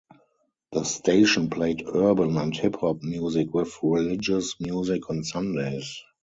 The station played urban and hip-hop music with religious music on Sundays.